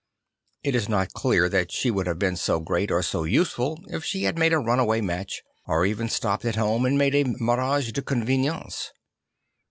It is not clear that she would have been so great or so useful if she had made a runaway match, or even stopped at home and made a mariage de convenance.